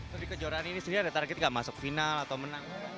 jadi kejuaraan ini sendiri ada target gak masuk final atau menang